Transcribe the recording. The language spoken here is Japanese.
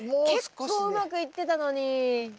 結構うまくいってたのに。